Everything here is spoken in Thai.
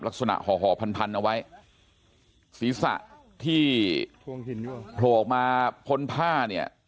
ห่อห่อพันพันเอาไว้ศีรษะที่โผล่ออกมาพ้นผ้าเนี่ย